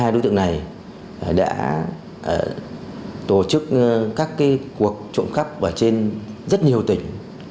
hai đối tượng này đã tổ chức các cuộc trộm cắp ở trên rất nhiều tỉnh